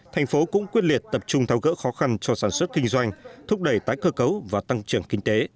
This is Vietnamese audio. thành phố cũng quyết liệt tập trung thao gỡ khó khăn cho sản xuất kinh doanh thúc đẩy tái cơ cấu và tăng trưởng kinh tế